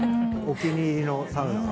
お気に入りのサウナがある？